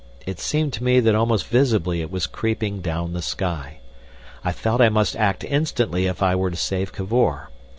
It seemed to me that almost visibly it was creeping down the sky. I felt I must act instantly if I was to save Cavor.